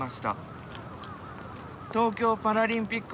東京パラリンピック